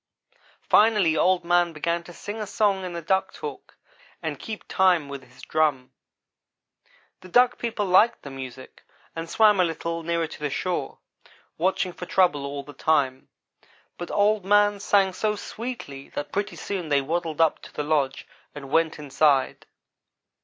Finally Old man began to sing a song in the duck talk, and keep time with his drum. The Duck people liked the music, and swam a little nearer to the shore, watching for trouble all the time, but Old man sang so sweetly that pretty soon they waddled up to the lodge and went inside.